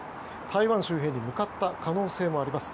台湾周辺に向かった可能性もあります。